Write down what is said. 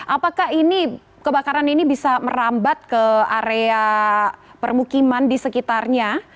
apakah ini kebakaran ini bisa merambat ke area permukiman di sekitarnya